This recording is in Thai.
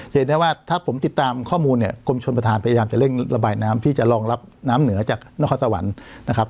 เห็นได้ว่าถ้าผมติดตามข้อมูลเนี่ยกรมชนประธานพยายามจะเร่งระบายน้ำที่จะรองรับน้ำเหนือจากนครสวรรค์นะครับ